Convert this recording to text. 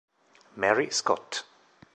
Mary Scott